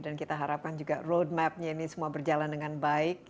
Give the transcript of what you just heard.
dan kita harapkan juga road map nya ini semua berjalan dengan baik